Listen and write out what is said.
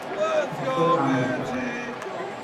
Uttar America